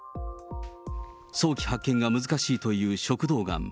早期発見が難しいという食道がん。